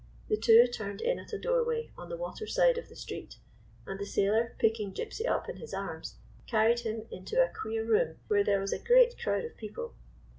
The two turned in at a door way on the water side of the street, and the sailor, picking Gypsy up in his arms, carried him into a queer room where there was a great crowd of people.